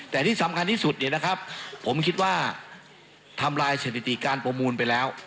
แต่ที่สำคัญที่สุดเนี่ยนะครับผมคิดว่าทำลายสถิติการประมูลไปแล้ว